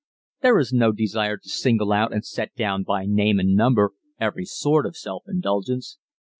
There is no desire to single out and set down by name and number every sort of self indulgence.